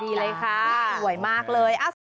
ดีเลยค่ะสวยมากเลย